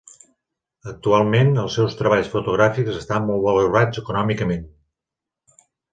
Actualment, els seus treballs fotogràfics estan molt valorats econòmicament.